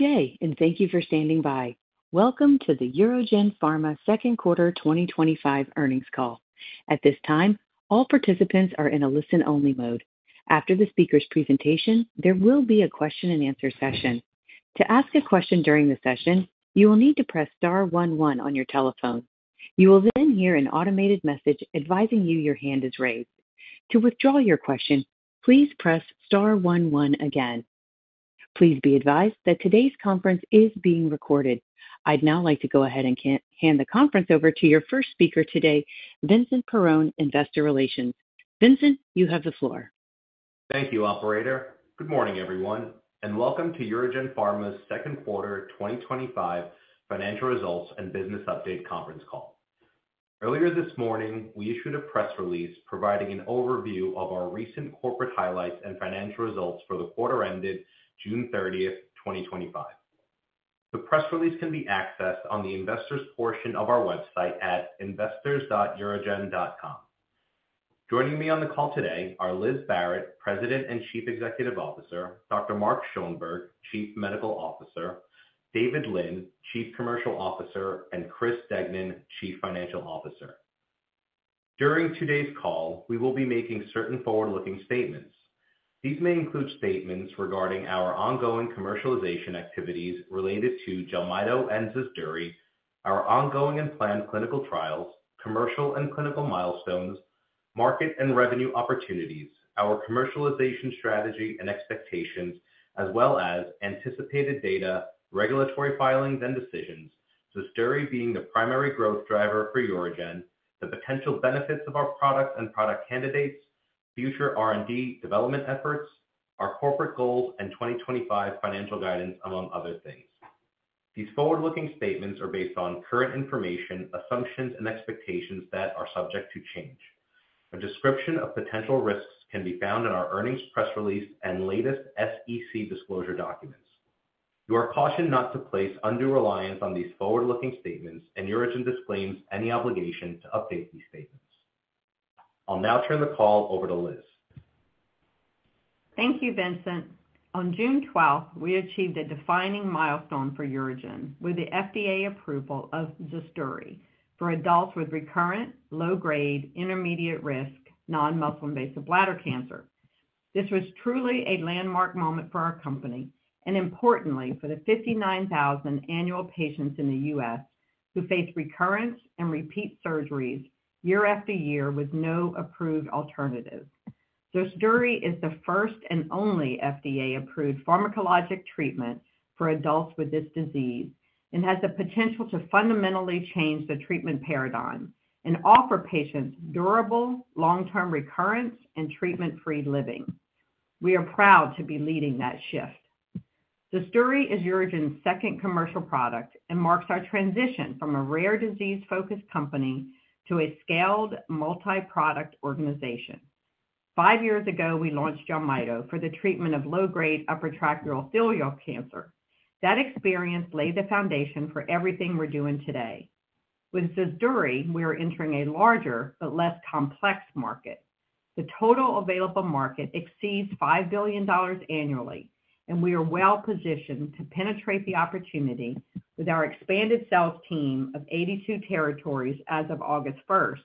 Okay, and thank you for standing by. Welcome to the UroGen Pharma second quarter 2025 earnings call. At this time, all participants are in a listen-only mode. After the speaker's presentation, there will be a question-and-answer session. To ask a question during the session, you will need to press star one one on your telephone. You will then hear an automated message advising you your hand is raised. To withdraw your question, please press star one one again. Please be advised that today's conference is being recorded. I'd now like to go ahead and hand the conference over to your first speaker today, Vincent Perrone, Investor Relations. Vincent, you have the floor. Thank you, operator. Good morning, everyone, and welcome to UroGen Pharma's second quarter 2025 financial results and business update conference call. Earlier this morning, we issued a press release providing an overview of our recent corporate highlights and financial results for the quarter ended June 30, 2025. The press release can be accessed on the Investors portion of our website at investors.urogen.com. Joining me on the call today are Liz Barrett, President and Chief Executive Officer, Dr. Mark Schoenberg, Chief Medical Officer, David Lin, Chief Commercial Officer, and Chris Degnan, Chief Financial Officer. During today's call, we will be making certain forward-looking statements. These may include statements regarding our ongoing commercialization activities related to Jelmyto and ZUSDURI, our ongoing and planned clinical trials, commercial and clinical milestones, market and revenue opportunities, our commercialization strategy and expectations, as well as anticipated data, regulatory filings, and decisions, ZUSDURI being the primary growth driver for UroGen, the potential benefits of our product and product candidates, future R&D development efforts, our corporate goals, and 2025 financial guidance, among other things. These forward-looking statements are based on current information, assumptions, and expectations that are subject to change. A description of potential risks can be found in our earnings press release and latest SEC disclosure documents. You are cautioned not to place undue reliance on these forward-looking statements, and UroGen disclaims any obligation to update these statements. I'll now turn the call over to Liz. Thank you, Vincent. On June 12th, we achieved a defining milestone for UroGen with the FDA approval of ZUSDURI for adults with recurrent, low-grade, intermediate-risk non-muscle invasive bladder cancer. This was truly a landmark moment for our company, and importantly, for the 59,000 annual patients in the U.S. who face recurrence and repeat surgeries year after year with no approved alternative. ZUSDURI is the first and only FDA-approved pharmacologic treatment for adults with this disease and has the potential to fundamentally change the treatment paradigm and offer patients durable, long-term recurrence and treatment-free living. We are proud to be leading that shift. ZUSDURI is UroGen's second commercial product and marks our transition from a rare disease-focused company to a scaled multi-product organization. Five years ago, we launched Jelmyto for the treatment of low-grade upper tract urothelial cancer. That experience laid the foundation for everything we're doing today. With ZUSDURI, we are entering a larger but less complex market. The total available market exceeds $5 billion annually, and we are well positioned to penetrate the opportunity with our expanded sales team of 82 territories as of August 1st,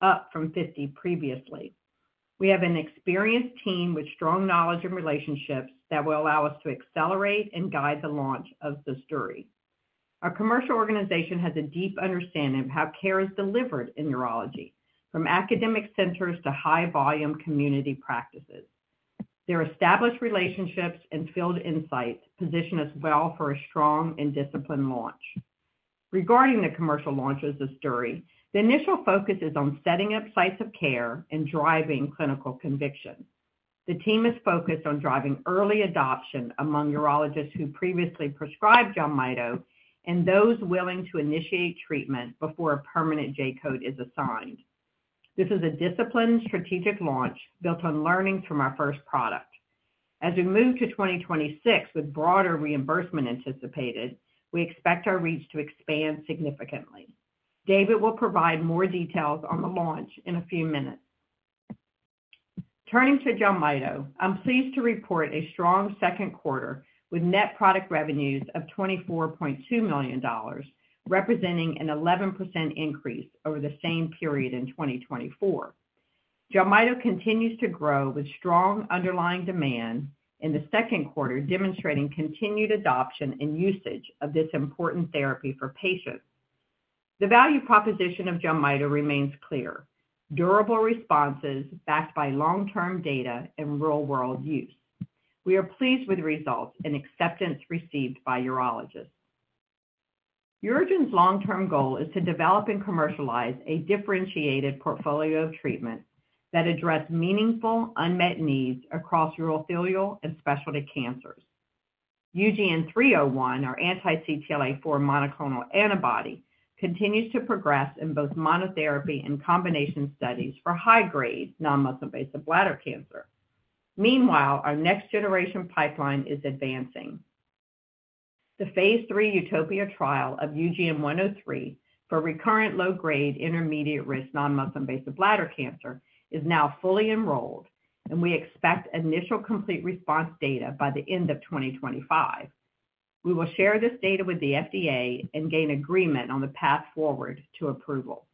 up from 50 previously. We have an experienced team with strong knowledge and relationships that will allow us to accelerate and guide the launch of ZUSDURI. Our commercial organization has a deep understanding of how care is delivered in urology, from academic centers to high-volume community practices. Their established relationships and field insights position us well for a strong and disciplined launch. Regarding the commercial launch of ZUSDURI, the initial focus is on setting up sites of care and driving clinical conviction. The team is focused on driving early adoption among urologists who previously prescribed Jelmyto and those willing to initiate treatment before a permanent J-code is assigned. This is a disciplined, strategic launch built on learnings from our first product. As we move to 2026 with broader reimbursement anticipated, we expect our reach to expand significantly. David will provide more details on the launch in a few minutes. Turning to Jelmyto, I'm pleased to report a strong second quarter with net product revenues of $24.2 million, representing an 11% increase over the same period in 2024. Jelmyto continues to grow with strong underlying demand in the second quarter, demonstrating continued adoption and usage of this important therapy for patients. The value proposition of Jelmyto remains clear: durable responses backed by long-term data and real-world use. We are pleased with results and acceptance received by urologists. UroGen's long-term goal is to develop and commercialize a differentiated portfolio of treatments that address meaningful unmet needs across urothelial and specialty cancers. UGN-301, our anti-CTLA4 monoclonal antibody, continues to progress in both monotherapy and combination studies for high-grade non-muscle invasive bladder cancer. Meanwhile, our next-generation pipeline is advancing. The Phase III Utopia trial of UGN-103 for recurrent low-grade, intermediate-risk non-muscle invasive bladder cancer is now fully enrolled, and we expect initial complete response data by the end of 2025. We will share this data with the FDA and gain agreement on the path forward to approval.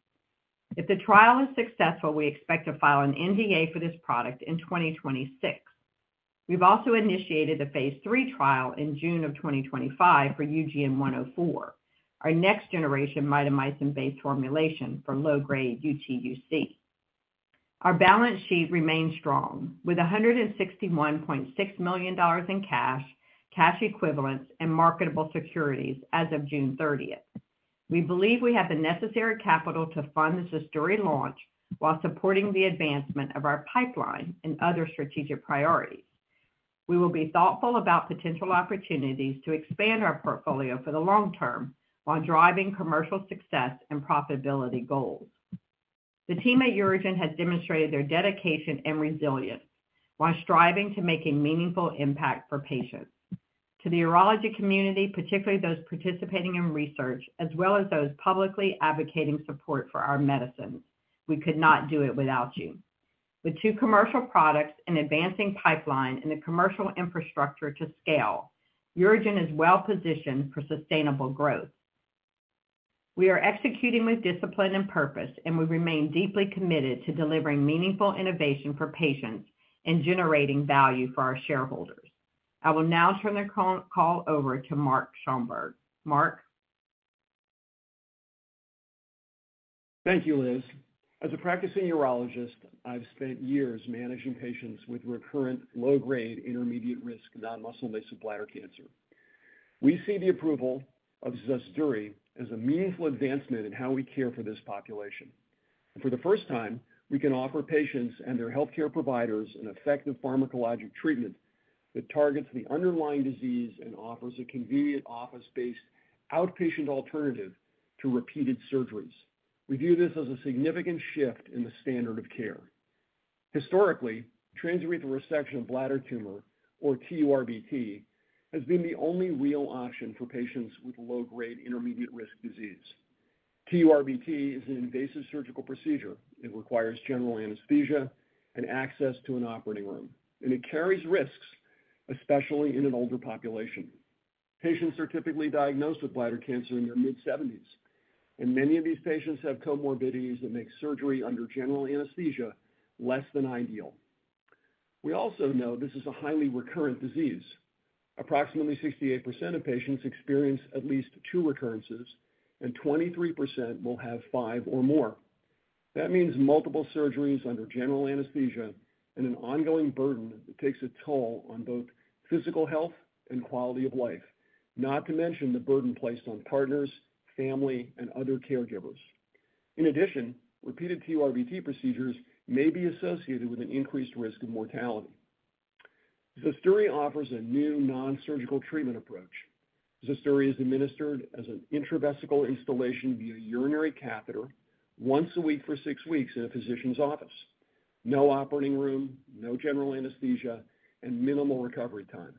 If the trial is successful, we expect to file an NDA for this product in 2026. We've also initiated a Phase III trial in June of 2025 for UGN-104, our next-generation mitomycin-based formulation for low-grade UTUC. Our balance sheet remains strong with $161.6 million in cash, cash equivalents, and marketable securities as of June 30th. We believe we have the necessary capital to fund the ZUSDURI launch while supporting the advancement of our pipeline and other strategic priorities. We will be thoughtful about potential opportunities to expand our portfolio for the long term while driving commercial success and profitability goals. The team at UroGen has demonstrated their dedication and resilience while striving to make a meaningful impact for patients. To the urology community, particularly those participating in research, as well as those publicly advocating support for our medicine, we could not do it without you. With two commercial products, an advancing pipeline, and a commercial infrastructure to scale, UroGen is well positioned for sustainable growth. We are executing with discipline and purpose, and we remain deeply committed to delivering meaningful innovation for patients and generating value for our shareholders. I will now turn the call over to Mark Schoenberg. Mark. Thank you, Liz. As a practicing urologist, I've spent years managing patients with recurrent low-grade, intermediate-risk non-muscle invasive bladder cancer. We see the approval of ZUSDURI as a meaningful advancement in how we care for this population. For the first time, we can offer patients and their healthcare providers an effective pharmacologic treatment that targets the underlying disease and offers a convenient office-based outpatient alternative to repeated surgeries. We view this as a significant shift in the standard of care. Historically, transurethral resection of bladder tumor, or TURBT, has been the only real option for patients with low-grade, intermediate-risk disease. TURBT is an invasive surgical procedure. It requires general anesthesia and access to an operating room, and it carries risks, especially in an older population. Patients are typically diagnosed with bladder cancer in their mid-70s, and many of these patients have comorbidities that make surgery under general anesthesia less than ideal. We also know this is a highly recurrent disease. Approximately 68% of patients experience at least two recurrences, and 23% will have five or more. That means multiple surgeries under general anesthesia and an ongoing burden that takes a toll on both physical health and quality of life, not to mention the burden placed on partners, family, and other caregivers. In addition, repeated TURBT procedures may be associated with an increased risk of mortality. ZUSDURI offers a new non-surgical treatment approach. ZUSDURI is administered as an intravesical instillation via urinary catheter once a week for six weeks in a physician's office. No operating room, no general anesthesia, and minimal recovery time.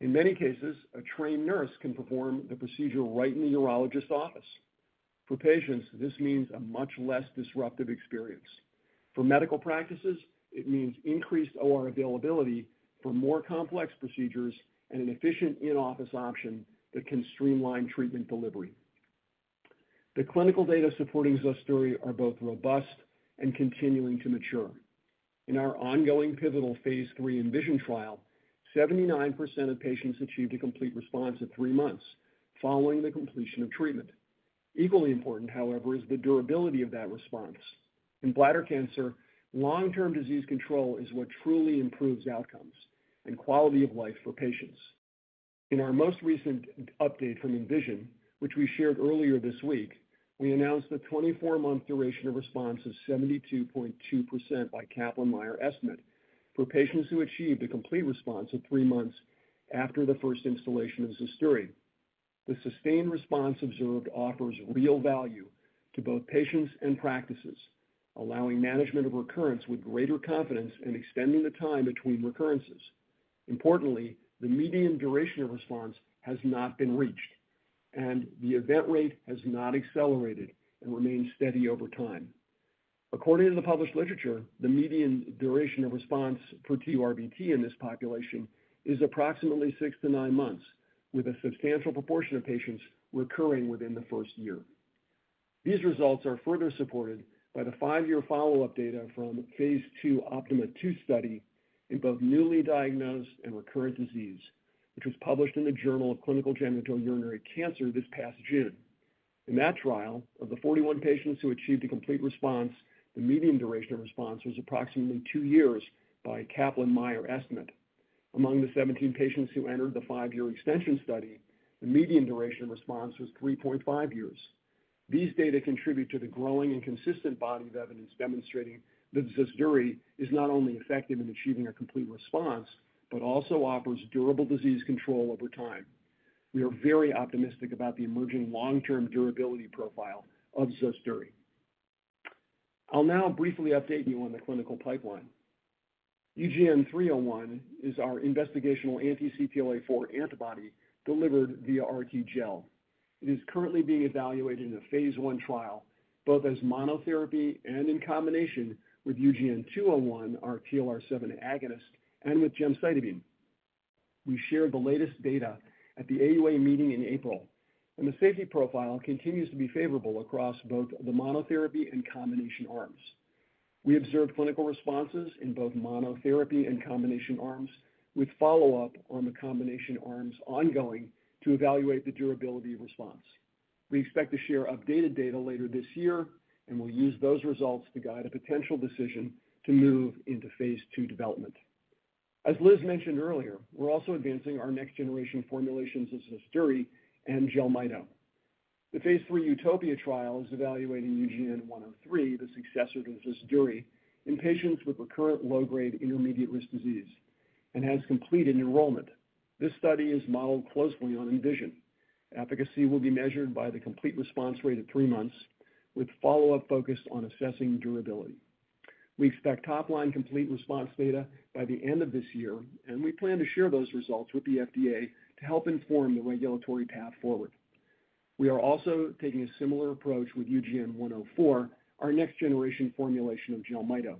In many cases, a trained nurse can perform the procedure right in the urologist's office. For patients, this means a much less disruptive experience. For medical practices, it means increased OR availability for more complex procedures and an efficient in-office option that can streamline treatment delivery. The clinical data supporting ZUSDURI are both robust and continuing to mature. In our ongoing pivotal Phase III Envision trial, 79% of patients achieved a complete response at three months following the completion of treatment. Equally important, however, is the durability of that response. In bladder cancer, long-term disease control is what truly improves outcomes and quality of life for patients. In our most recent update from Envision, which we shared earlier this week, we announced the 24-month duration of response of 72.2% by Kaplan-Meier estimate for patients who achieved a complete response at three months after the first instillation of ZUSDURI. The sustained response observed offers real value to both patients and practices, allowing management of recurrence with greater confidence and extending the time between recurrences. Importantly, the median duration of response has not been reached, and the event rate has not accelerated and remains steady over time. According to the published literature, the median duration of response for TURBT in this population is approximately six to nine months, with a substantial proportion of patients recurring within the first year. These results are further supported by the five-year follow-up data from Phase II OPTIMA II study in both newly diagnosed and recurrent disease, which was published in the Journal of Clinical Genitourinary Cancer this past June. In that trial, of the 41 patients who achieved a complete response, the median duration of response was approximately two years by Kaplan-Meier estimate. Among the 17 patients who entered the five-year extension study, the median duration of response was 3.5 years. These data contribute to the growing and consistent body of evidence demonstrating that ZUSDURI is not only effective in achieving a complete response, but also offers durable disease control over time. We are very optimistic about the emerging long-term durability profile of ZUSDURI. I'll now briefly update you on the clinical pipeline. UGN-301 is our investigational anti-CTLA4 antibody delivered via RTGel. It is currently being evaluated in a Phase I trial, both as monotherapy and in combination with UGN-201, our TLR7 agonist, and with gemcitabine. We shared the latest data at the AUA meeting in April, and the safety profile continues to be favorable across both the monotherapy and combination arms. We observed clinical responses in both monotherapy and combination arms, with follow-up on the combination arms ongoing to evaluate the durability of response. We expect to share updated data later this year, and we'll use those results to guide a potential decision to move into Phase II development. As Liz mentioned earlier, we're also advancing our next-generation formulations of ZUSDURI and Jelmyto. The Phase III Utopia trial is evaluating UGN-103, the successor to ZUSDURI, in patients with recurrent low-grade, intermediate-risk disease and has completed enrollment. This study is modeled closely on Envision. Efficacy will be measured by the complete response rate at three months, with follow-up focused on assessing durability. We expect top-line complete response data by the end of this year, and we plan to share those results with the FDA to help inform the regulatory path forward. We are also taking a similar approach with UGN-104, our next-generation formulation of Jelmyto.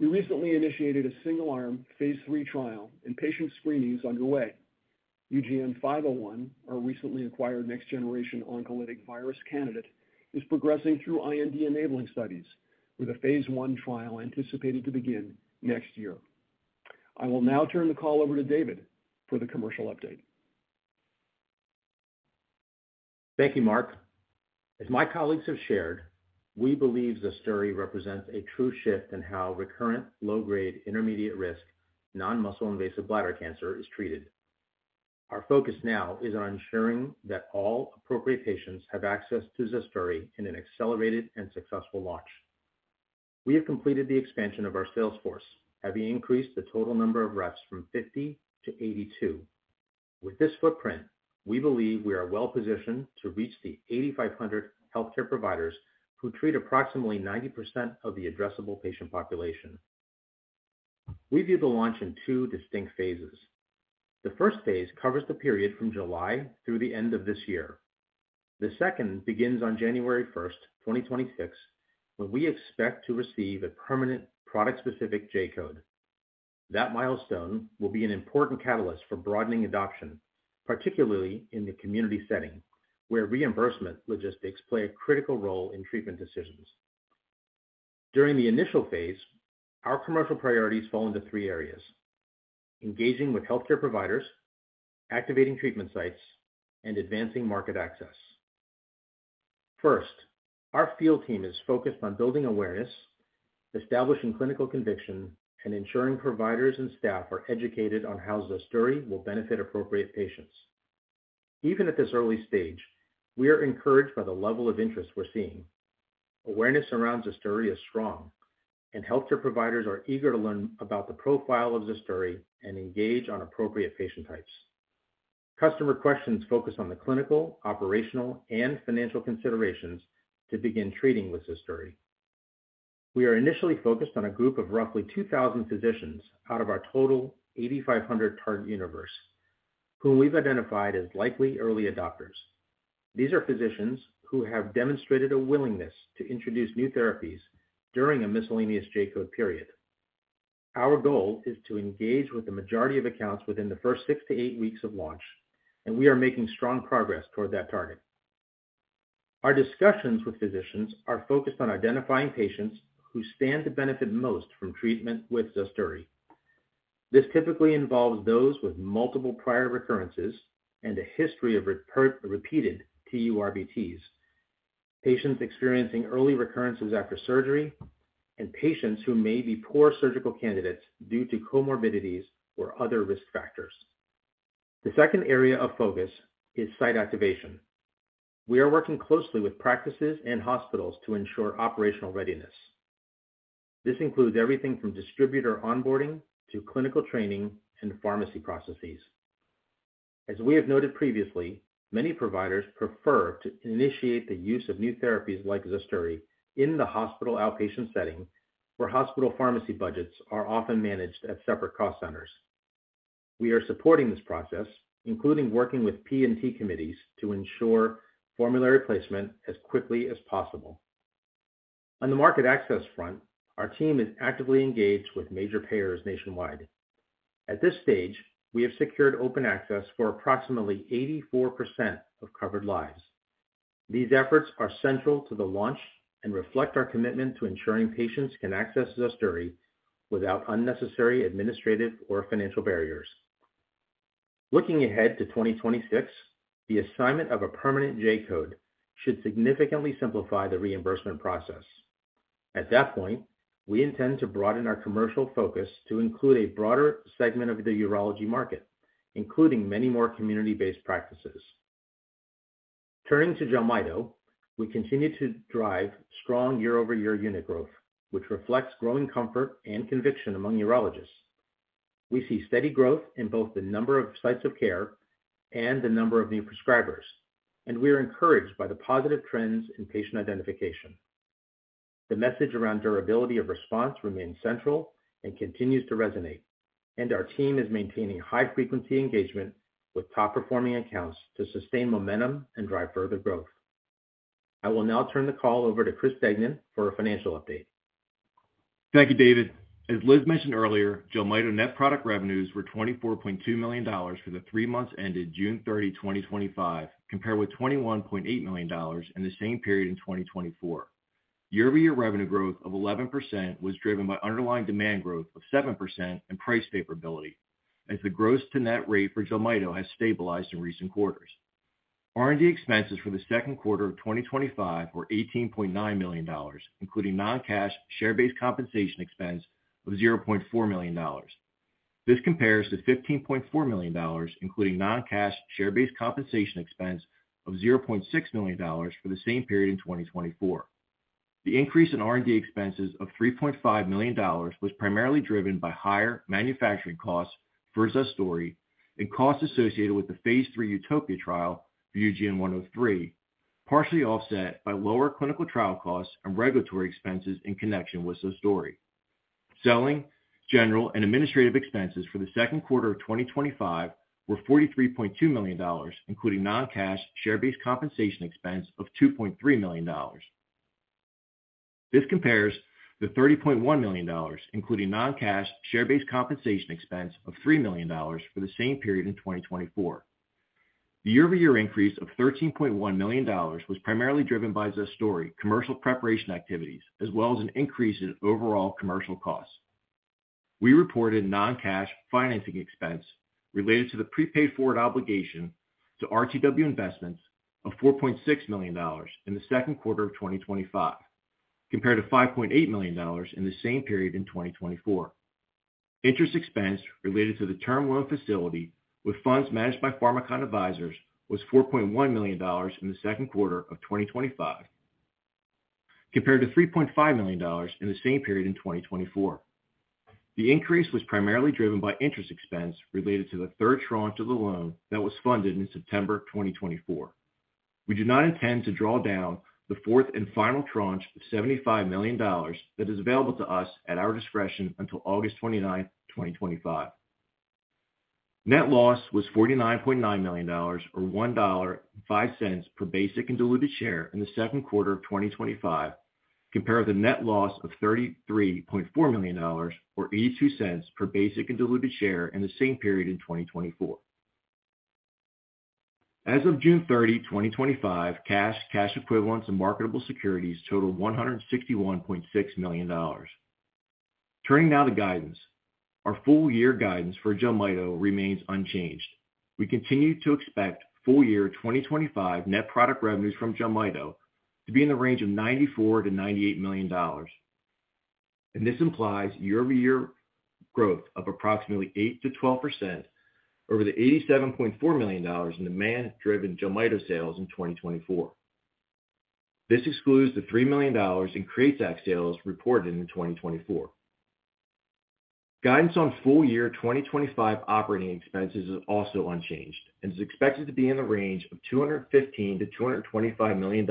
We recently initiated a single-arm Phase III trial, and patient screening is underway. UGN-501, our recently acquired next-generation oncolytic virus candidate, is progressing through IND-enabling studies with a Phase I trial anticipated to begin next year. I will now turn the call over to David for the commercial update. Thank you, Mark. As my colleagues have shared, we believe ZUSDURI represents a true shift in how recurrent low-grade, intermediate-risk non-muscle invasive bladder cancer is treated. Our focus now is on ensuring that all appropriate patients have access to ZUSDURI in an accelerated and successful launch. We have completed the expansion of our sales force, having increased the total number of reps from 50-82. With this footprint, we believe we are well positioned to reach the 8,500 healthcare providers who treat approximately 90% of the addressable patient population. We view the launch in two distinct phases. The first phase covers the period from July through the end of this year. The second begins on January 1, 2026, when we expect to receive a permanent product-specific J-code. That milestone will be an important catalyst for broadening adoption, particularly in the community setting where reimbursement logistics play a critical role in treatment decisions. During the initial phase, our commercial priorities fall into three areas: engaging with healthcare providers, activating treatment sites, and advancing market access. First, our field team is focused on building awareness, establishing clinical conviction, and ensuring providers and staff are educated on how ZUSDURI will benefit appropriate patients. Even at this early stage, we are encouraged by the level of interest we're seeing. Awareness around ZUSDURI is strong, and healthcare providers are eager to learn about the profile of ZUSDURI and engage on appropriate patient types. Customer questions focus on the clinical, operational, and financial considerations to begin treating with ZUSDURI. We are initially focused on a group of roughly 2,000 physicians out of our total 8,500 target universe, whom we've identified as likely early adopters. These are physicians who have demonstrated a willingness to introduce new therapies during a miscellaneous J-code period. Our goal is to engage with the majority of accounts within the first six to eight weeks of launch, and we are making strong progress toward that target. Our discussions with physicians are focused on identifying patients who stand to benefit most from treatment with ZUSDURI. This typically involves those with multiple prior recurrences and a history of repeated TURBTs, patients experiencing early recurrences after surgery, and patients who may be poor surgical candidates due to comorbidities or other risk factors. The second area of focus is site activation. We are working closely with practices and hospitals to ensure operational readiness. This includes everything from distributor onboarding to clinical training and pharmacy processes. As we have noted previously, many providers prefer to initiate the use of new therapies like ZUSDURI in the hospital outpatient setting, where hospital pharmacy budgets are often managed at separate cost centers. We are supporting this process, including working with P&T committees to ensure formulary placement as quickly as possible. On the market access front, our team is actively engaged with major payers nationwide. At this stage, we have secured open access for approximately 84% of covered lives. These efforts are central to the launch and reflect our commitment to ensuring patients can access ZUSDURI without unnecessary administrative or financial barriers. Looking ahead to 2026, the assignment of a permanent J-code should significantly simplify the reimbursement process. At that point, we intend to broaden our commercial focus to include a broader segment of the urology market, including many more community-based practices. Turning to Jelmyto, we continue to drive strong year-over-year unit growth, which reflects growing comfort and conviction among urologists. We see steady growth in both the number of sites of care and the number of new prescribers, and we are encouraged by the positive trends in patient identification. The message around durability of response remains central and continues to resonate, and our team is maintaining high-frequency engagement with top-performing accounts to sustain momentum and drive further growth. I will now turn the call over to Chris Degnan for a financial update. Thank you, David. As Liz mentioned earlier, Jelmyto net product revenues were $24.2 million for the three months ended June 30, 2025, compared with $21.8 million in the same period in 2024. Year-over-year revenue growth of 11% was driven by underlying demand growth of 7% and price favorability, as the gross-to-net rate for Jelmyto has stabilized in recent quarters. R&D expenses for the second quarter of 2025 were $18.9 million, including non-cash share-based compensation expense of $0.4 million. This compares to $15.4 million, including non-cash share-based compensation expense of $0.6 million for the same period in 2024. The increase in R&D expenses of $3.5 million was primarily driven by higher manufacturing costs for ZUSDURI and costs associated with the Phase III Utopia trial for UGN-103, partially offset by lower clinical trial costs and regulatory expenses in connection with ZUSDURI. Selling, general, and administrative expenses for the second quarter of 2025 were $43.2 million, including non-cash share-based compensation expense of $2.3 million. This compares to $30.1 million, including non-cash share-based compensation expense of $3 million for the same period in 2024. The year-over-year increase of $13.1 million was primarily driven by ZUSDURI commercial preparation activities, as well as an increase in overall commercial costs. We reported non-cash financing expense related to the prepaid forward obligation to RTW Investments of $4.6 million in the second quarter of 2025, compared to $5.8 million in the same period in 2024. Interest expense related to the term loan facility with funds managed by Pharmakon Advisors was $4.1 million in the second quarter of 2025, compared to $3.5 million in the same period in 2024. The increase was primarily driven by interest expense related to the third tranche of the loan that was funded in September 2024. We do not intend to draw down the fourth and final tranche of $75 million that is available to us at our discretion until August 29, 2025. Net loss was $49.9 million, or $1.05 per basic and diluted share in the second quarter of 2025, compared with a net loss of $33.4 million, or $0.82 per basic and diluted share in the same period in 2024. As of June 30, 2025, cash, cash equivalents, and marketable securities totaled $161.6 million. Turning now to guidance, our full-year guidance for Jelmyto remains unchanged. We continue to expect full-year 2025 net product revenues from Jelmyto to be in the range of $94-$98 million, and this implies year-over-year growth of approximately 8% to 12% over the $87.4 million in demand-driven Jelmyto sales in 2024. This excludes the $3 million in createx sales reported in 2024. Guidance on full-year 2025 operating expenses is also unchanged and is expected to be in the range of $215-$225 million,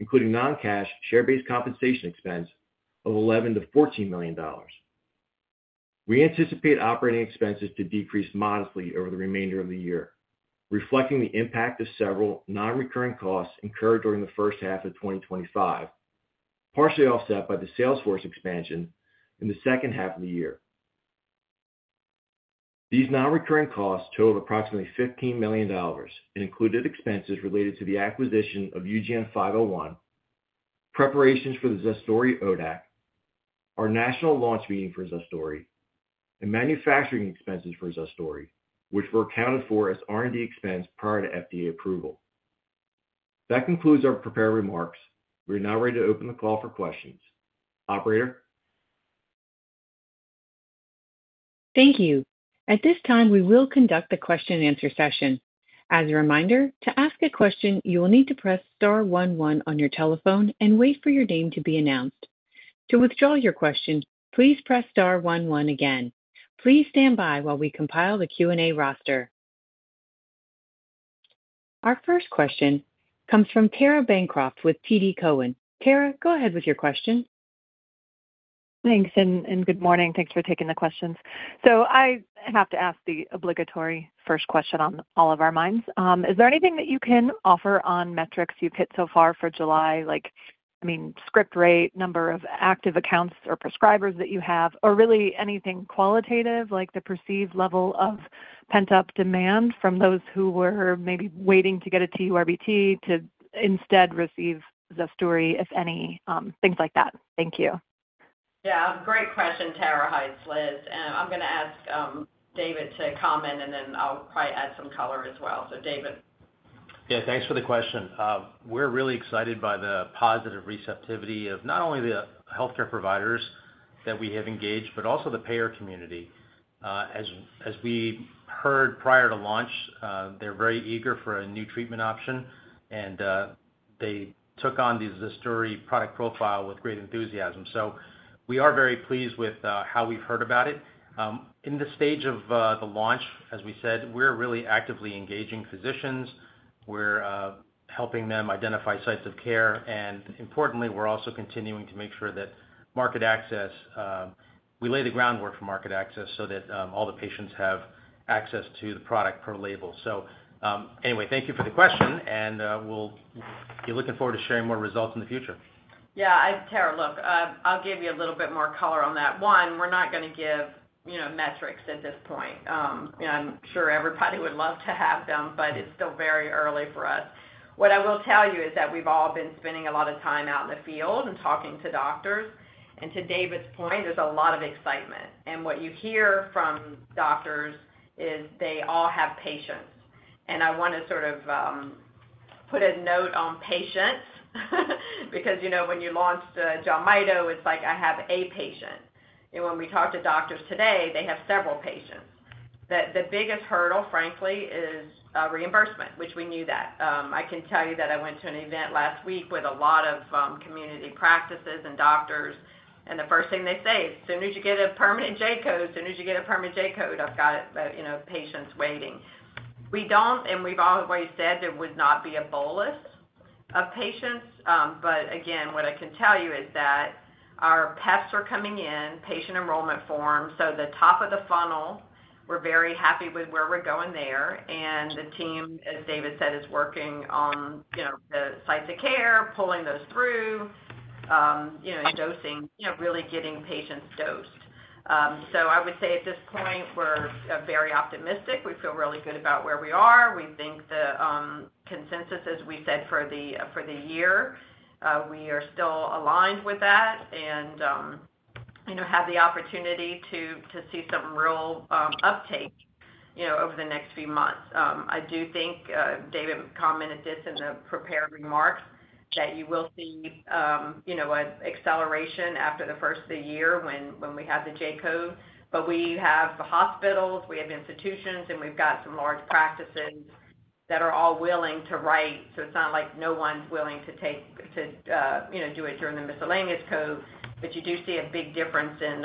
including non-cash share-based compensation expense of $11-$14 million. We anticipate operating expenses to decrease modestly over the remainder of the year, reflecting the impact of several non-recurring costs incurred during the first half of 2024, partially offset by the sales force expansion in the second half of the year. These non-recurring costs totaled approximately $15 million and included expenses related to the acquisition of UGN-103, preparations for the ZUSDURI ODAC, our national launch meeting for ZUSDURI, and manufacturing expenses for ZUSDURI, which were accounted for as R&D expense prior to FDA approval. That concludes our prepared remarks. We are now ready to open the call for questions. Operator? Thank you. At this time, we will conduct the question-and-answer session. As a reminder, to ask a question, you will need to press star one one on your telephone and wait for your name to be announced. To withdraw your question, please press star one one again. Please stand by while we compile the Q&A roster. Our first question comes from Tara Bancroft with TD Cowen. Tara, go ahead with your question. Thanks, and good morning. Thanks for taking the questions. I have to ask the obligatory first question on all of our minds. Is there anything that you can offer on metrics you've hit so far for July, like I mean script rate, number of active accounts or prescribers that you have, or really anything qualitative, like the perceived level of pent-up demand from those who were maybe waiting to get a TURBT to instead receive ZUSDURI, if any, things like that? Thank you. Yeah, great question, Tara hi, its, Liz. I'm going to ask David to comment, and then I'll probably add some color as well. David. Yeah, thanks for the question. We're really excited by the positive receptivity of not only the healthcare providers that we have engaged, but also the payer community. As we heard prior to launch, they're very eager for a new treatment option, and they took on the ZUSDURI product profile with great enthusiasm. We are very pleased with how we've heard about it. In the stage of the launch, as we said, we're really actively engaging physicians. We're helping them identify sites of care, and importantly, we're also continuing to make sure that market access, we lay the groundwork for market access so that all the patients have access to the product per label. Thank you for the question, and we'll be looking forward to sharing more results in the future. Yeah, Tara, look, I'll give you a little bit more color on that. One, we're not going to give metrics at this point. I'm sure everybody would love to have them, but it's still very early for us. What I will tell you is that we've all been spending a lot of time out in the field and talking to doctors, and to David's point, there's a lot of excitement. What you hear from doctors is they all have patients. I want to sort of put a note on patients because you know when you launch Jelmyto, it's like I have a patient. When we talk to doctors today, they have several patients. The biggest hurdle, frankly, is reimbursement, which we knew. I can tell you that I went to an event last week with a lot of community practices and doctors, and the first thing they say is, "As soon as you get a permanent J-code, as soon as you get a permanent J-code, I've got patients waiting." We've always said there would not be a bolus of patients. What I can tell you is that our PEFs are coming in, patient enrollment forms, so the top of the funnel. We're very happy with where we're going there. The team, as David said, is working on the sites of care, pulling those through, dosing, really getting patients dosed. I would say at this point, we're very optimistic. We feel really good about where we are. We think the consensus, as we said, for the year, we are still aligned with that and have the opportunity to see some real uptake over the next few months. I do think David commented this in the prepared remarks that you will see an acceleration after the first of the year when we have the J-code. We have hospitals, we have institutions, and we've got some large practices that are all willing to write. It's not like no one's willing to do it during the miscellaneous code. You do see a big difference in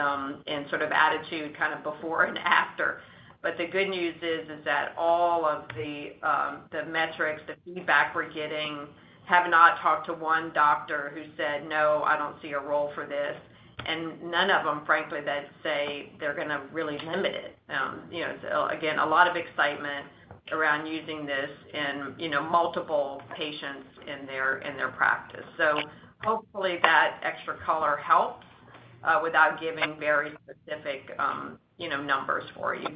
sort of attitude kind of before and after. The good news is that all of the metrics, the feedback we're getting, have not talked to one doctor who said, "No, I don't see a role for this." None of them, frankly, say they're going to really limit it. Again, a lot of excitement around using this in multiple patients in their practice. Hopefully that extra color helps without giving very specific numbers for you.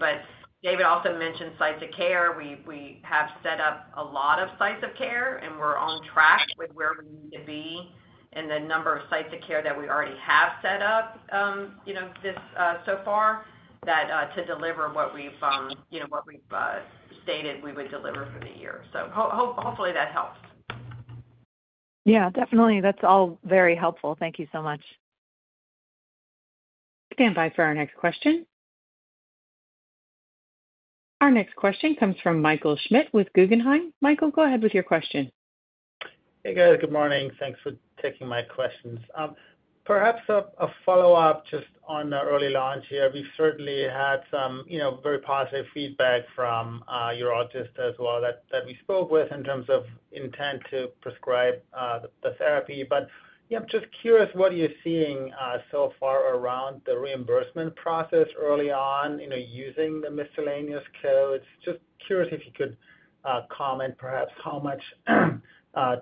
David also mentioned sites of care. We have set up a lot of sites of care, and we're on track with where we need to be and the number of sites of care that we already have set up so far to deliver what we've stated we would deliver for the year. Hopefully that helps. Yeah, definitely. That's all very helpful. Thank you so much. We're going to invite for our next question. Our next question comes from Michael Schmidt with Guggenheim Securities. Michael, go ahead with your question. Hey, guys. Good morning. Thanks for taking my questions. Perhaps a follow-up just on the early launch here. We've certainly had some very positive feedback from urologists as well that we spoke with in terms of intent to prescribe the therapy. I'm just curious, what are you seeing so far around the reimbursement process early on using the miscellaneous code? I'm just curious if you could comment perhaps how much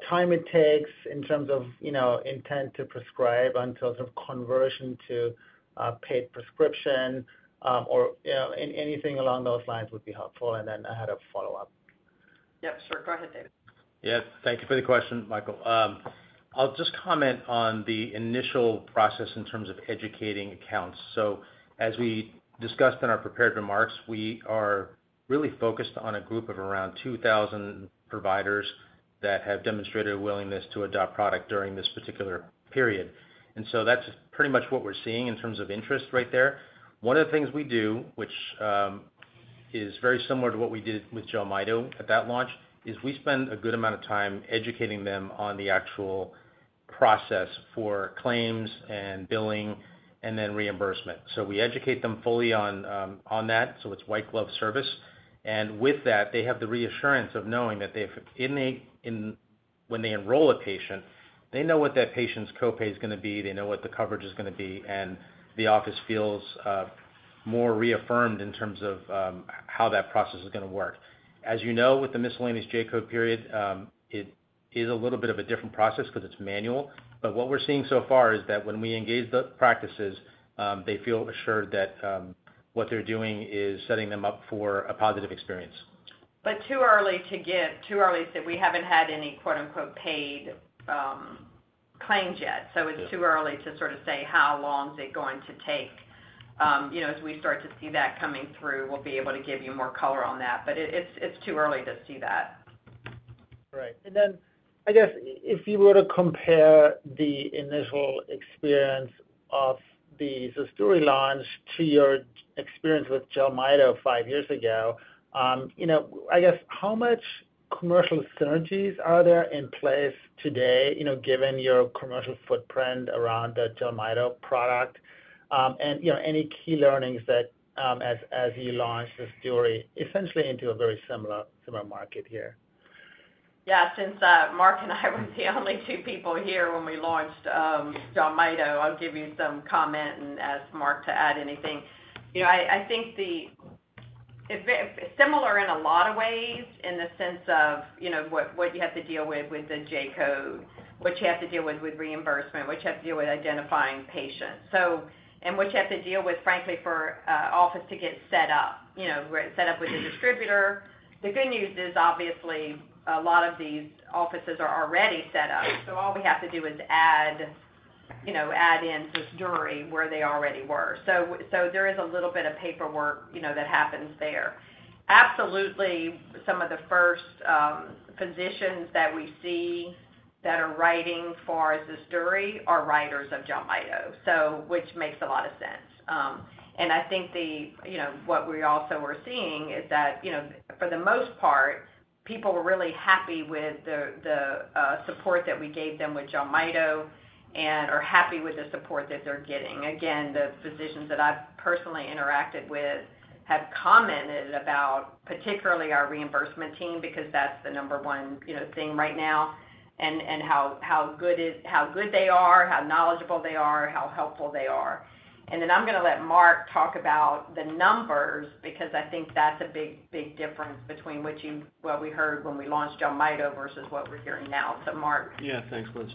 time it takes in terms of intent to prescribe until sort of conversion to paid prescription or anything along those lines would be helpful. I had a follow-up. Yeah, sure. Go ahead, David. Yes, thank you for the question, Michael. I'll just comment on the initial process in terms of educating accounts. As we discussed in our prepared remarks, we are really focused on a group of around 2,000 providers that have demonstrated a willingness to adopt product during this particular period. That's pretty much what we're seeing in terms of interest right there. One of the things we do, which is very similar to what we did with Jelmyto at that launch, is we spend a good amount of time educating them on the actual process for claims and billing and then reimbursement. We educate them fully on that. It's white-glove service. With that, they have the reassurance of knowing that when they enroll a patient, they know what that patient's copay is going to be, they know what the coverage is going to be, and the office feels more reaffirmed in terms of how that process is going to work. As you know, with the miscellaneous J-code period, it is a little bit of a different process because it's manual. What we're seeing so far is that when we engage the practices, they feel assured that what they're doing is setting them up for a positive experience. is too early to give. Too early to say we haven't had any paid claims yet. It is too early to sort of say how long it is going to take. As we start to see that coming through, we'll be able to give you more color on that. It is too early to see that. Right. If you were to compare the initial experience of the ZUSDURI launch to your experience with Jelmyto five years ago, how much commercial synergies are there in place today, given your commercial footprint around the Jelmyto product, and any key learnings as you launched ZUSDURI essentially into a very similar market here? Yeah, since Mark and I were the only two people here when we launched Jelmyto, I'll give you some comment and ask Mark to add anything. I think it's similar in a lot of ways in the sense of what you have to deal with with the J-code, what you have to deal with with reimbursement, what you have to deal with identifying patients, and what you have to deal with, frankly, for an office to get set up, set up with a distributor. The good news is obviously a lot of these offices are already set up. All we have to do is add in ZUSDURI where they already were. There is a little bit of paperwork that happens there. Absolutely, some of the first physicians that we see that are writing for ZUSDURI are writers of Jelmyto, which makes a lot of sense. What we also are seeing is that, for the most part, people are really happy with the support that we gave them with Jelmyto and are happy with the support that they're getting. The physicians that I've personally interacted with have commented about particularly our reimbursement team because that's the number one thing right now and how good they are, how knowledgeable they are, how helpful they are. I'm going to let Mark talk about the numbers because I think that's a big, big difference between what we heard when we launched Jelmyto versus what we're hearing now. Mark. Yeah, thanks, Liz.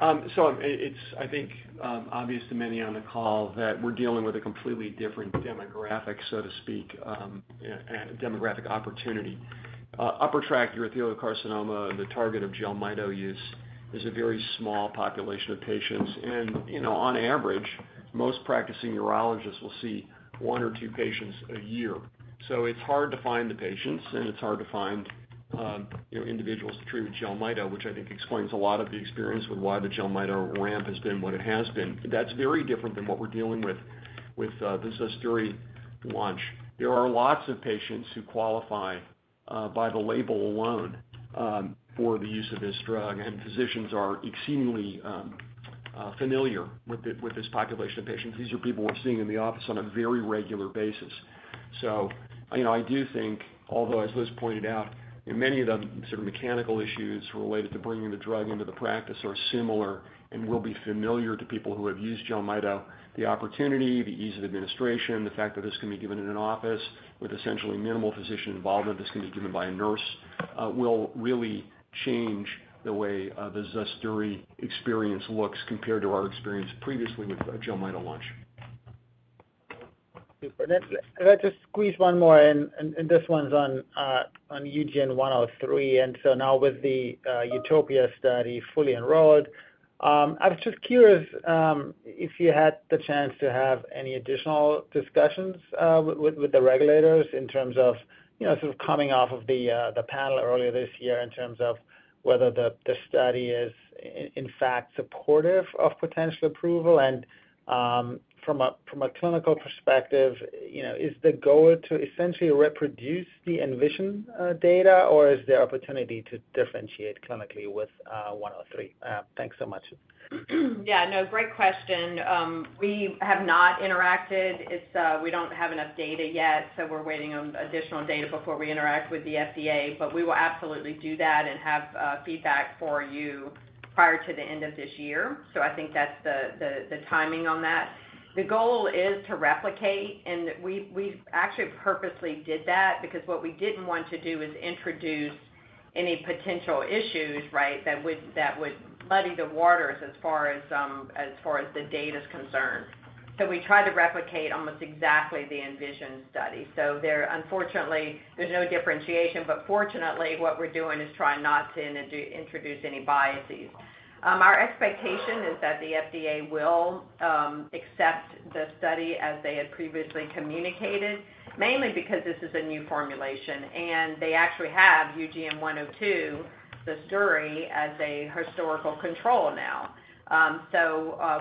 It's, I think, obvious to many on the call that we're dealing with a completely different demographic, so to speak, and a demographic opportunity. Upper tract urothelial carcinoma, the target of Jelmyto use, is a very small population of patients. On average, most practicing urologists will see one or two patients a year. It's hard to find the patients, and it's hard to find individuals treated with Jelmyto, which I think explains a lot of the experience with why the Jelmyto ramp has been what it has been. That's very different than what we're dealing with with the ZUSDURI launch. There are lots of patients who qualify by the label alone for the use of this drug, and physicians are exceedingly familiar with this population of patients. These are people we're seeing in the office on a very regular basis. I do think, although as Liz pointed out, many of the sort of mechanical issues related to bringing the drug into the practice are similar and will be familiar to people who have used Jelmyto. The opportunity, the ease of administration, the fact that this can be given in an office with essentially minimal physician involvement, this can be given by a nurse, will really change the way the ZUSDURI experience looks compared to our experience previously with Jelmyto launch. Super. Let's just squeeze one more, and this one's on UGN-103. Now with the Utopia study fully enrolled, I was just curious if you had the chance to have any additional discussions with the regulators in terms of, you know, sort of coming off of the panel earlier this year in terms of whether the study is, in fact, supportive of potential approval. From a clinical perspective, is the goal to essentially reproduce the Envision data, or is there an opportunity to differentiate clinically with 103? Thanks so much. Yeah, no, great question. We have not interacted. We don't have enough data yet, so we're waiting on additional data before we interact with the FDA. We will absolutely do that and have feedback for you prior to the end of this year. I think that's the timing on that. The goal is to replicate, and we actually purposely did that because what we didn't want to do is introduce any potential issues that would muddy the waters as far as the data is concerned. We tried to replicate almost exactly the Envision study. There, unfortunately, there's no differentiation, but fortunately, what we're doing is trying not to introduce any biases. Our expectation is that the FDA will accept the study as they had previously communicated, mainly because this is a new formulation, and they actually have UGN-102, ZUSDURI, as a historical control now.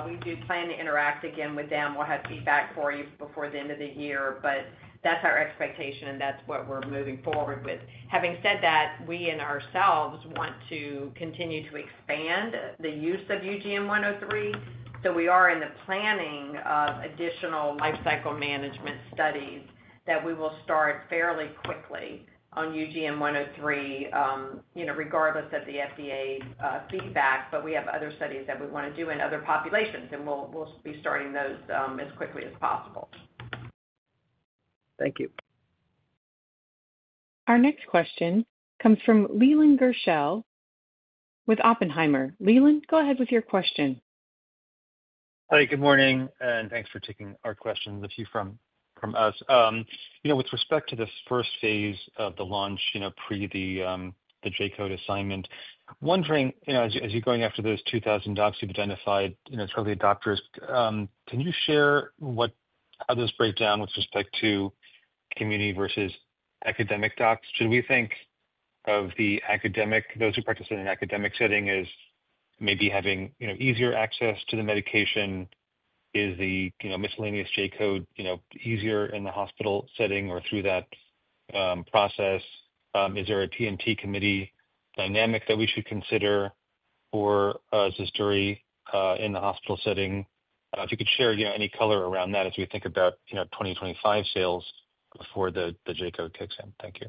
We do plan to interact again with them. We'll have feedback for you before the end of the year, that's our expectation, and that's what we're moving forward with. Having said that, we and ourselves want to continue to expand the use of UGN-103. We are in the planning of additional lifecycle management studies that we will start fairly quickly on UGN-103, regardless of the FDA feedback. We have other studies that we want to do in other populations, and we'll be starting those as quickly as possible. Thank you. Our next question comes from Leland Gershell with Oppenheimer. Leland, go ahead with your question. Hi, good morning, and thanks for taking our questions, a few from us. With respect to the first phase of the launch, pre the J-code assignment, I'm wondering, as you're going after those 2,000 docs you've identified, total adopters, can you share how those break down with respect to community versus academic docs? Should we think of the academic, those who practice in an academic setting, as maybe having easier access to the medication? Is the miscellaneous J-code easier in the hospital setting or through that process? Is there a P&T committee dynamic that we should consider for ZUSDURI in the hospital setting? If you could share any color around that as we think about 2025 sales before the J-code kicks in. Thank you.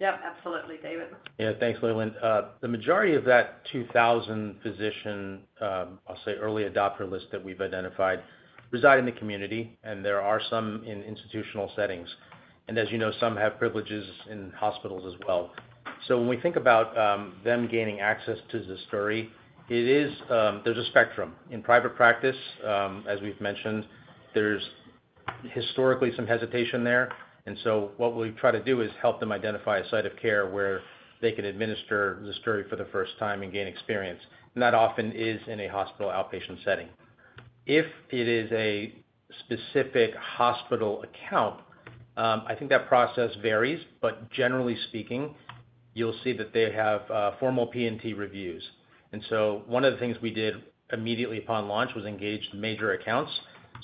Yeah, absolutely, David. Yeah, thanks, Leland. The majority of that 2,000 physician, I'll say, early adopter list that we've identified reside in the community, and there are some in institutional settings. As you know, some have privileges in hospitals as well. When we think about them gaining access to ZUSDURI, there is a spectrum. In private practice, as we've mentioned, there's historically some hesitation there. What we try to do is help them identify a site of care where they can administer ZUSDURI for the first time and gain experience. That often is in a hospital outpatient setting. If it is a specific hospital account, I think that process varies, but generally speaking, you'll see that they have formal P&T reviews. One of the things we did immediately upon launch was engage the major accounts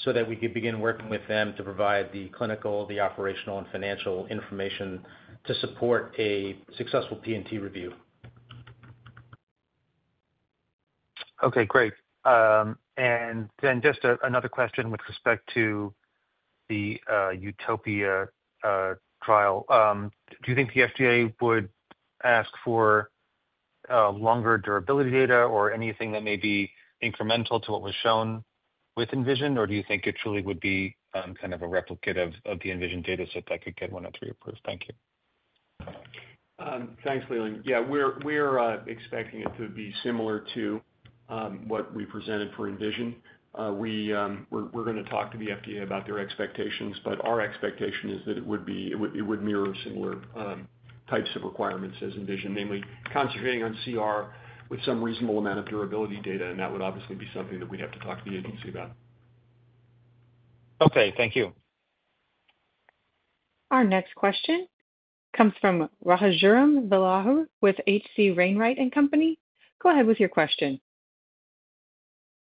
so that we could begin working with them to provide the clinical, the operational, and financial information to support a successful P&T review. Okay, great. Just another question with respect to the Utopia trial. Do you think the FDA would ask for longer durability data or anything that may be incremental to what was shown with Envision, or do you think it truly would be kind of a replicate of the Envision data set that could get 103 approved? Thank you. Thanks, Leland. Yeah, we're expecting it to be similar to what we presented for Envision. We're going to talk to the FDA about their expectations, but our expectation is that it would mirror similar types of requirements as Envision, namely concentrating on CR with some reasonable amount of durability data. That would obviously be something that we'd have to talk to the agency about. Okay, thank you. Our next question comes from Raghuram Selvaraju with H.C. Wainwright & Company. Go ahead with your question.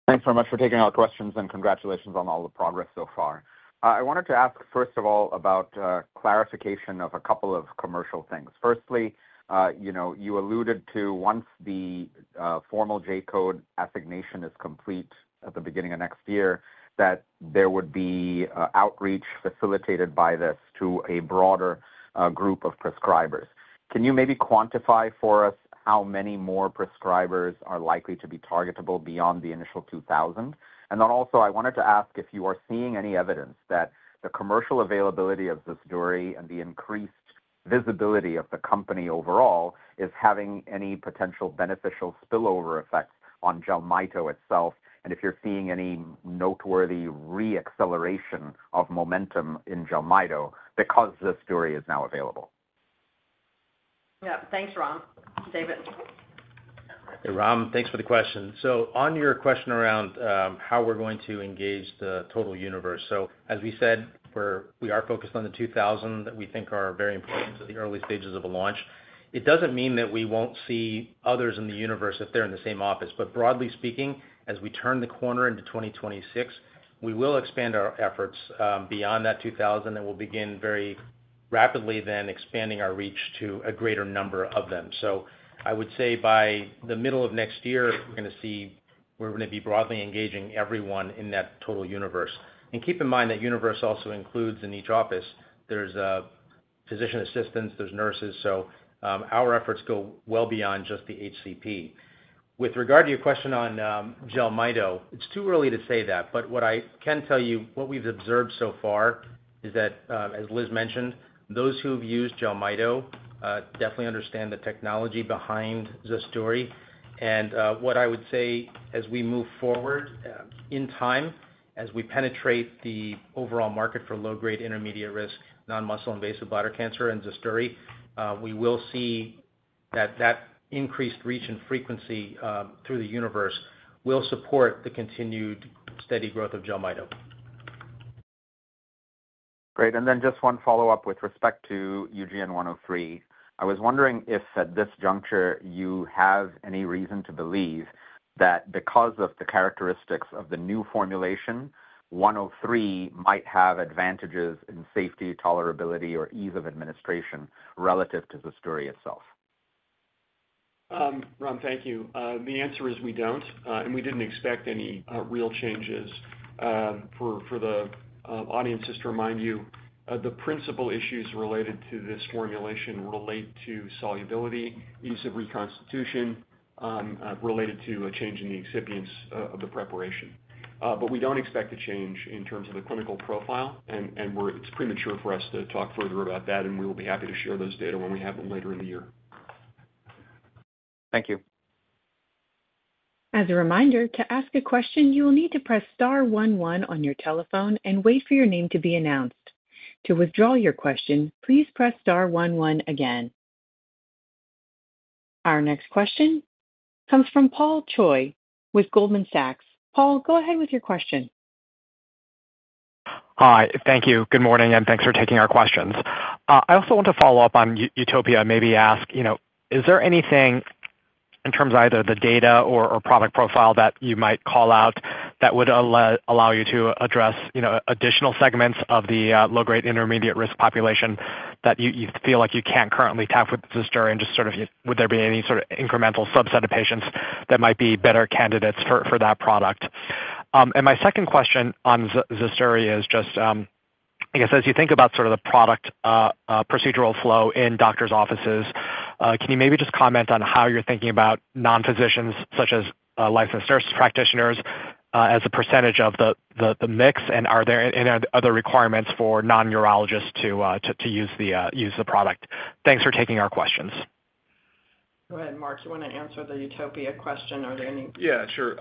Thanks very much for taking our questions, and congratulations on all the progress so far. I wanted to ask, first of all, about clarification of a couple of commercial things. Firstly, you know, you alluded to once the formal J-code assignation is complete at the beginning of next year, that there would be outreach facilitated by this to a broader group of prescribers. Can you maybe quantify for us how many more prescribers are likely to be targetable beyond the initial 2,000? I also wanted to ask if you are seeing any evidence that the commercial availability of ZUSDURI and the increased visibility of the company overall is having any potential beneficial spillover effects on Jelmyto itself, and if you're seeing any noteworthy re-acceleration of momentum in Jelmyto because ZUSDURI is now available. Yeah, thanks, Rom. David. Hey, Rom, thanks for the question. On your question around how we're going to engage the total universe, as we said, we are focused on the 2,000 that we think are very important to the early stages of a launch. It doesn't mean that we won't see others in the universe if they're in the same office. Broadly speaking, as we turn the corner into 2026, we will expand our efforts beyond that 2,000, and we'll begin very rapidly then expanding our reach to a greater number of them. I would say by the middle of next year, we're going to see we're going to be broadly engaging everyone in that total universe. Keep in mind that universe also includes in each office, there's physician assistants, there's nurses, so our efforts go well beyond just the HCP. With regard to your question on Jelmyto, it's too early to say that, but what I can tell you, what we've observed so far is that, as Liz mentioned, those who've used Jelmyto definitely understand the technology behind ZUSDURI. What I would say as we move forward in time, as we penetrate the overall market for low-grade, intermediate-risk non-muscle invasive bladder cancer and ZUSDURI, we will see that that increased reach and frequency through the universe will support the continued steady growth of Jelmyto. Great. Just one follow-up with respect to UGN-103. I was wondering if at this juncture you have any reason to believe that because of the characteristics of the new formulation, 103 might have advantages in safety, tolerability, or ease of administration relative to ZUSDURI itself. Thank you. The answer is we don't, and we didn't expect any real changes. For the audience, just to remind you, the principal issues related to this formulation relate to solubility, ease of reconstitution, related to a change in the excipients of the preparation. We don't expect a change in terms of the clinical profile, and it's premature for us to talk further about that. We will be happy to share those data when we have them later in the year. Thank you. As a reminder, to ask a question, you will need to press *11 on your telephone and wait for your name to be announced. To withdraw your question, please press *11 again. Our next question comes from Paul Choi with Goldman Sachs. Paul, go ahead with your question. Hi, thank you. Good morning, and thanks for taking our questions. I also want to follow up on Utopia, maybe ask, you know, is there anything in terms of either the data or product profile that you might call out that would allow you to address additional segments of the low-grade, intermediate-risk population that you feel like you can't currently tackle with ZUSDURI? Would there be any sort of incremental subset of patients that might be better candidates for that product? My second question on ZUSDURI is just, I guess, as you think about sort of the product procedural flow in doctors' offices, can you maybe just comment on how you're thinking about non-physicians, such as licensed nurse practitioners, as a percentage of the mix? Are there any other requirements for non-urologists to use the product? Thanks for taking our questions. Go ahead, Mark. You want to answer the Utopia question? Are there any? Yeah, sure.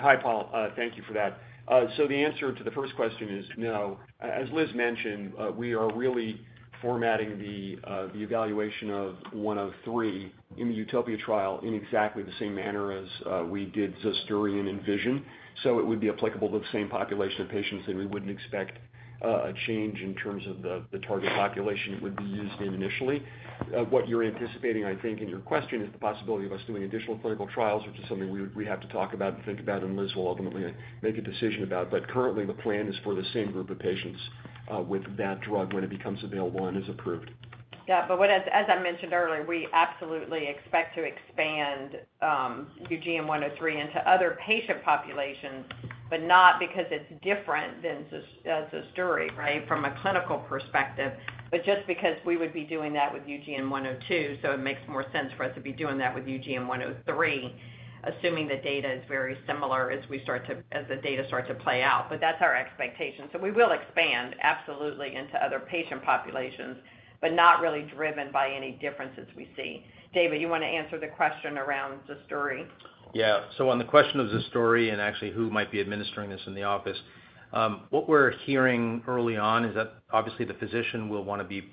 Hi, Paul. Thank you for that. The answer to the first question is no. As Liz mentioned, we are really formatting the evaluation of UGN-103 in the Utopia trial in exactly the same manner as we did ZUSDURI and Envision. It would be applicable to the same population of patients, and we wouldn't expect a change in terms of the target population it would be used in initially. What you're anticipating, I think, in your question is the possibility of us doing additional clinical trials, which is something we have to talk about and think about, and Liz will ultimately make a decision about. Currently, the plan is for the same group of patients with that drug when it becomes available and is approved. Yeah, as I mentioned earlier, we absolutely expect to expand UGN-103 into other patient populations, not because it's different than ZUSDURI from a clinical perspective, but just because we would be doing that with UGN-102. It makes more sense for us to be doing that with UGN-103, assuming the data is very similar as the data starts to play out. That's our expectation. We will expand absolutely into other patient populations, not really driven by any differences we see. David, you want to answer the question around ZUSDURI? Yeah, on the question of ZUSDURI and actually who might be administering this in the office, what we're hearing early on is that obviously the physician will want to be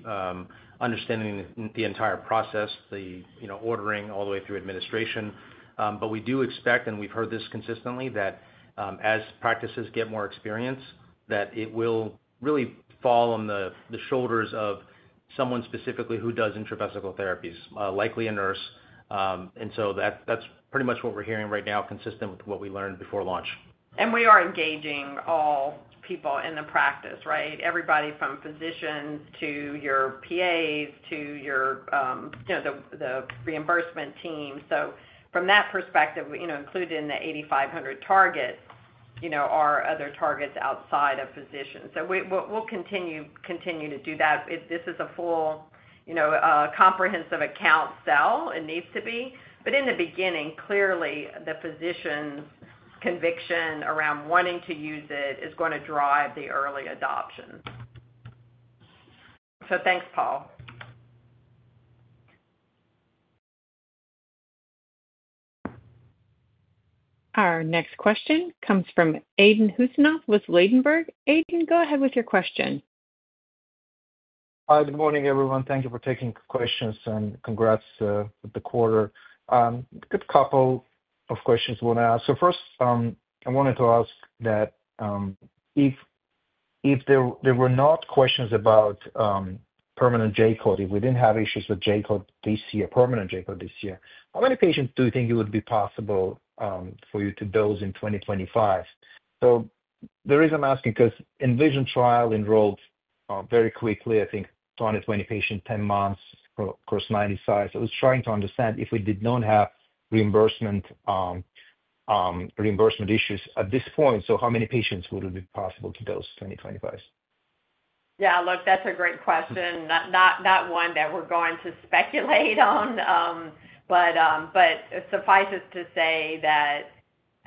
understanding the entire process, the ordering all the way through administration. We do expect, and we've heard this consistently, that as practices get more experience, it will really fall on the shoulders of someone specifically who does intravesical therapies, likely a nurse. That's pretty much what we're hearing right now, consistent with what we learned before launch. We are engaging all people in the practice, right? Everybody from physicians to your PAs to your, you know, the reimbursement team. From that perspective, included in the 8,500 target are other targets outside of physicians. We'll continue to do that. This is a full, comprehensive account sell. It needs to be. In the beginning, clearly, the physician's conviction around wanting to use it is going to drive the early adoption. Thanks, Paul. Our next question comes from Aydin Huseynov with Ladenburg. Aydin, go ahead with your question. Hi, good morning, everyone. Thank you for taking questions, and congrats with the quarter. A good couple of questions I want to ask. First, I wanted to ask that if there were not questions about permanent J-code, if we didn't have issues with J-code this year, permanent J-code this year, how many patients do you think it would be possible for you to dose in 2025? The reason I'm asking is because Envision trial enrolled very quickly. I think 20 patients, 10 months across 90 sites. I was trying to understand if we did not have reimbursement issues at this point, how many patients would it be possible to dose in 2025? Yeah, look, that's a great question. Not one that we're going to speculate on, but it suffices to say that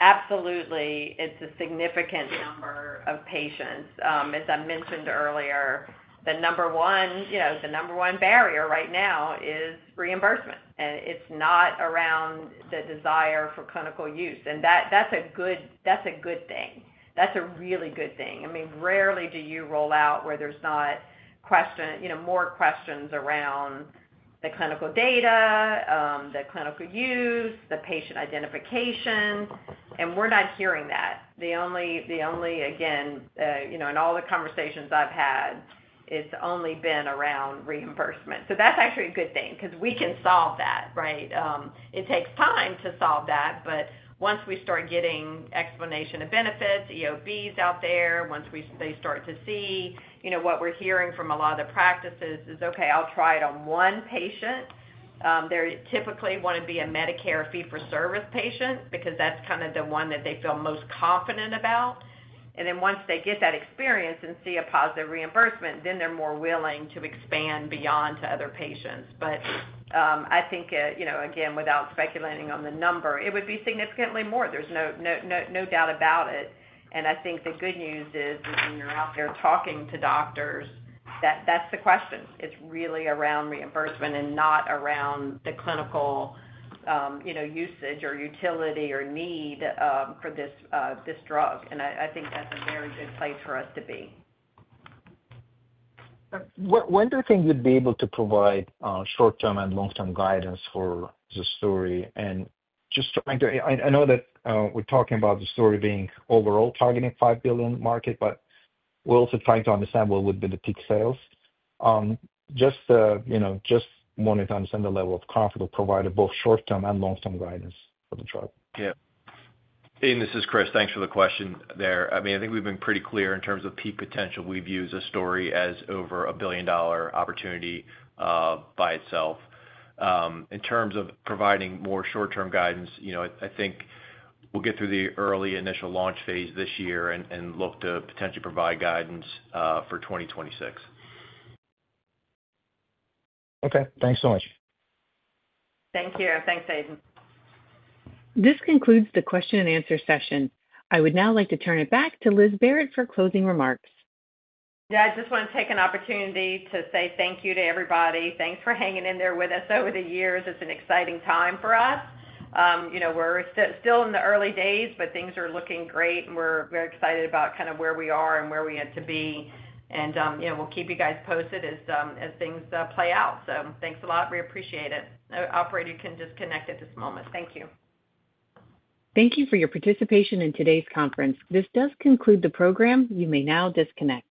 absolutely, it's a significant number of patients. As I mentioned earlier, the number one, you know, the number one barrier right now is reimbursement. It's not around the desire for clinical use, and that's a good thing. That's a really good thing. I mean, rarely do you roll out where there's not questions, you know, more questions around the clinical data, the clinical use, the patient identification, and we're not hearing that. The only, the only, again, you know, in all the conversations I've had, it's only been around reimbursement. That's actually a good thing because we can solve that, right? It takes time to solve that, but once we start getting explanation of benefits, EOBs out there, once they start to see, you know, what we're hearing from a lot of the practices is, okay, I'll try it on one patient. They typically want to be a Medicare fee-for-service patient because that's kind of the one that they feel most confident about. Once they get that experience and see a positive reimbursement, then they're more willing to expand beyond to other patients. I think, you know, again, without speculating on the number, it would be significantly more. There's no doubt about it. I think the good news is when you're out there talking to doctors, that's the question. It's really around reimbursement and not around the clinical, you know, usage or utility or need for this drug. I think that's a very good place for us to be. When do you think you'd be able to provide short-term and long-term guidance for ZUSDURI? I know that we're talking about ZUSDURI being overall targeting a $5 billion market, but we're also trying to understand what would be the peak sales. Just wanting to understand the level of comfort to provide both short-term and long-term guidance for the drug. Yeah. Aydin, this is Chris. Thanks for the question there. I think we've been pretty clear in terms of the potential. We view ZUSDURI as over a billion-dollar opportunity by itself. In terms of providing more short-term guidance, I think we'll get through the early initial launch phase this year and look to potentially provide guidance for 2026. Okay, thanks so much. Thank you. Thanks, Aydin. This concludes the question-and-answer session. I would now like to turn it back to Liz Barrett for closing remarks. I just want to take an opportunity to say thank you to everybody. Thanks for hanging in there with us over the years. It's an exciting time for us. We're still in the early days, but things are looking great, and we're very excited about kind of where we are and where we are to be. We'll keep you guys posted as things play out. Thanks a lot. We appreciate it. Operator, you can disconnect at this moment. Thank you. Thank you for your participation in today's conference. This does conclude the program. You may now disconnect.